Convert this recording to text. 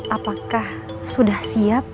apakah sudah siap